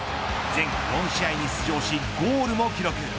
全４試合に出場しゴールを記録。